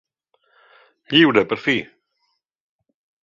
Lliure per fi!